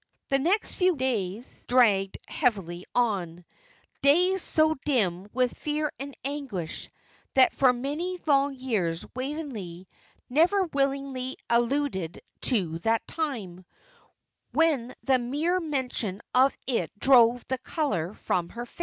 The next few days dragged heavily on days so dim with fear and anguish that for many long years Waveney never willingly alluded to that time, when the mere mention of it drove the colour from her face.